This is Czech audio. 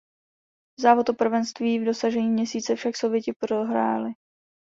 Závod o prvenství v dosažení Měsíce však Sověti prohráli.